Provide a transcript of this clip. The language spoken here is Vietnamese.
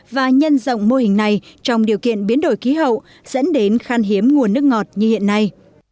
và nhân rộng mô hình này trong điều kiện biến đổi khí hậu dẫn đến khan hiếm nguồn nước ngọt như hiện nay